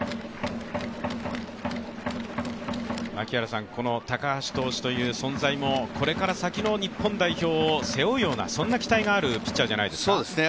槙原さん、この高橋投手という存在も、これから先の日本代表を背負うような、そんな期待があるピッチャーじゃないですか？